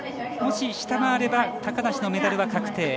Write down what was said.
もし、下回れば高梨のメダル確定。